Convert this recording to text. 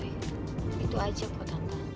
itu aja kok tante